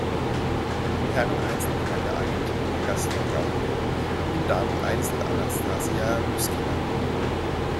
Im Herreneinzel gewann der Argentinier Gastón Gaudio und im Dameneinzel Anastassija Myskina.